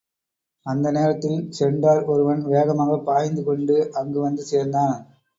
அந்த நேரத்தில் சென்டார் ஒருவன் வேகமாகப் பாய்ந்து கொண்டு அங்கு வந்து சேர்ந்தான்.